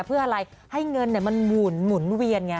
เพื่ออะไรให้เงินเนี่ยมันหมุนหมุนเวียนไง